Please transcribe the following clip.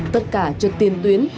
tất cả trước tiên lựa